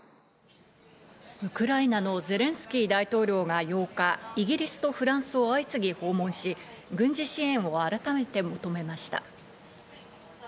ウクライナのゼレンスキー大統領が８日、イギリスとフランスを相次ぎ訪問し、軍事支援を改めて求めました。